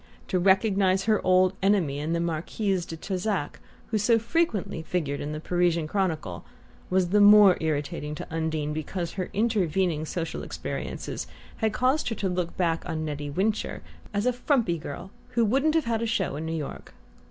To recognize her old enemy in the Marquise de Trezac who so frequently figured in the Parisian chronicle was the more irritating to Undine because her intervening social experiences had caused her to look back on Nettie Wincher as a frumpy girl who wouldn't have "had a show" in New York.